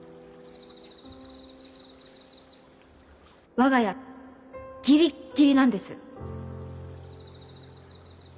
我が家ギリッギリなんです。